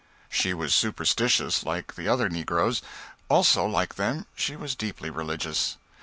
She was superstitious like the other negroes; also, like them, she was deeply religious.